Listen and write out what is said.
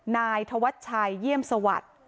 นายทวัดชัยเยี่ยมสวรรค์